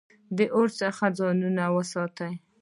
د اور څخه ځان وساتئ